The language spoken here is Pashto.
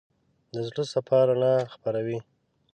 د زړه صفا رڼا خپروي.